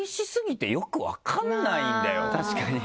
確かに。